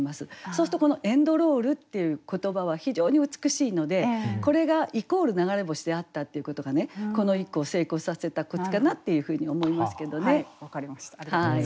そうするとこの「エンドロール」っていう言葉は非常に美しいのでこれがイコール流れ星であったっていうことがこの一句を成功させたコツかなっていうふうに思いますけどね。